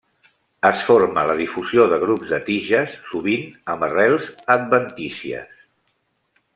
Es forma la difusió de grups de tiges sovint amb arrels adventícies.